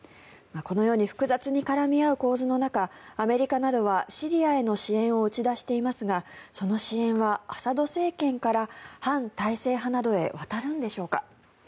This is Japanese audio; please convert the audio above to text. このように複雑に絡み合う構図の中アメリカなどはシリアへの支援を打ち出していますがその支援はアサド政権から反体制派などへ渡るんでしょうか。